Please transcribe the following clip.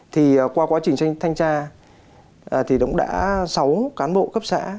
thì qua quá trình thanh tra thì cũng đã sáu cán bộ cấp xã